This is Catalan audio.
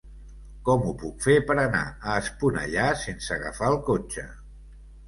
Com ho puc fer per anar a Esponellà sense agafar el cotxe?